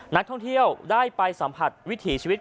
นักท่องเที่ยวได้ไปสัมผัสวิถีชีวิต